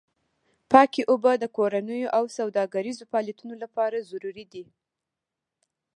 پاکې اوبه د کورنیو او سوداګریزو فعالیتونو لپاره ضروري دي.